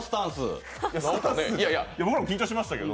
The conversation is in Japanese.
僕も緊張しましたけど。